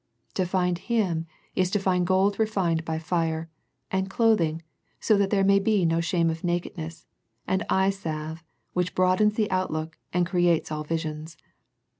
To find Him is to find gold refined by fire, and clothing, so that there may be no shame of nakedness, and eyesalve which broadens the outlook, and creates all visions.